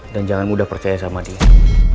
dan jangan mudah percaya sama dia